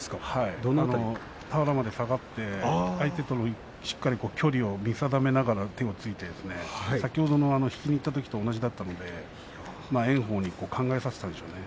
俵まで下がって相手としっかり距離を見定めて手をついて先ほどの引きにいったときと同じだったので炎鵬に考えさせたんですよね。